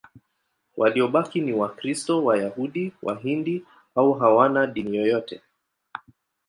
Waliobaki ni Wakristo, Wayahudi, Wahindu au hawana dini yote.